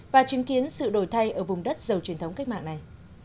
và chứng kiến sự đổi thay ở vùng đất giàu truyền thống cách mạng này